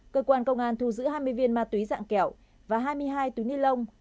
cơ quan công an thu giữ hai mươi viên ma túy dạng kẹo và hai mươi hai túi ni lông